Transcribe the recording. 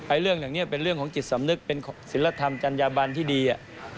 เรื่องอย่างนี้เป็นเรื่องของจิตสำนึกเป็นศิลธรรมจัญญาบันที่ดี